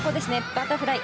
バタフライ。